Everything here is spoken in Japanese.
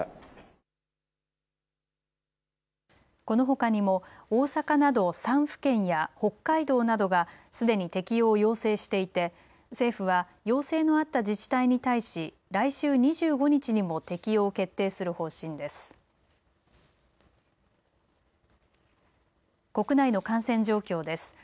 このほかにも大阪など３府県や北海道などが、すでに適用を要請していて政府は要請のあった自治体に対し来週２５日にも適用を決定する方針です。